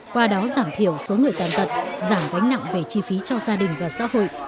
qua đó giảm thiểu số người tàn tật giảm gánh nặng về chi phí cho gia đình và xã hội